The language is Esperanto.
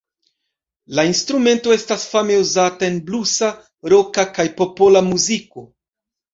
La instrumento estas fame uzata en blusa, roka, kaj popola muziko.